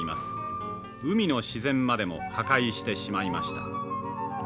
海の自然までも破壊してしまいました」。